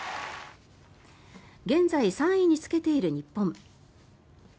現在３位につけている日本。